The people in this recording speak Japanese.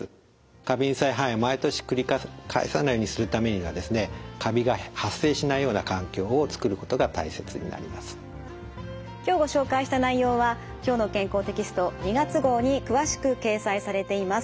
過敏性肺炎を毎年繰り返さないようにするためには今日ご紹介した内容は「きょうの健康」テキスト２月号に詳しく掲載されています。